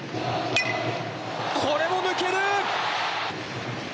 これも抜ける！